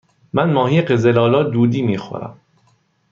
من ماهی قزل آلا دودی می خورم.